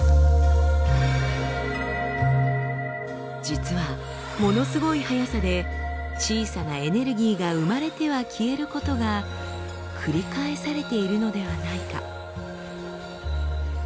実はものすごいはやさで小さなエネルギーが生まれては消えることが繰り返されているのではないか。